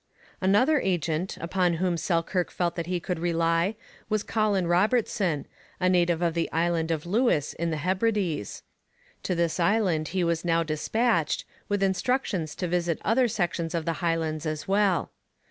Another agent upon whom Selkirk felt that he could rely was Colin Robertson, a native of the island of Lewis, in the Hebrides. To this island he was now dispatched, with instructions to visit other sections of the Highlands as well.